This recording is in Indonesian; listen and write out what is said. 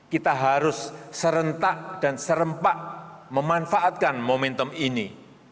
kita harus serentak dan serempak memanfaatkan momentum ini